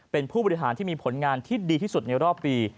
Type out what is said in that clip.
เป็นผู้บริหารที่มีผลงานที่ดีที่สุดในรอบปี